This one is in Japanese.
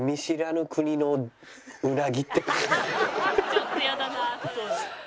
「ちょっと嫌だなそれ」